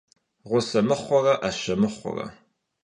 Ğuse mıxhure 'eşe mıxhure.